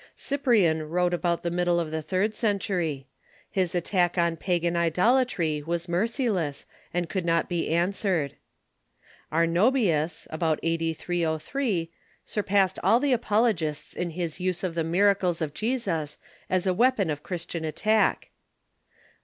Cyprian Avrote about the middle of the third century. His attack on pagan idolatry was merciless, and could not be answered. Ar nobius (about a.d. 303) surpassed all the apologists in his use of the miracles of Jesus as a weapon of Christian attack.